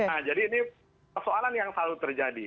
nah jadi ini persoalan yang selalu terjadi